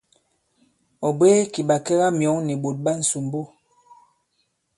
Ɔ̀ bwě kì ɓàkɛgamyɔ̌ŋ nì ɓòt ɓa ǹsòmbo.